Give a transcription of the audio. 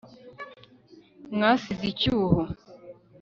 mwasize icyuho